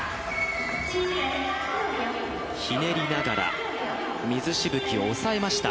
ひねりながら水しぶきを抑えました。